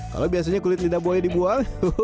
kalau biasanya kulit lidah buaya dibuang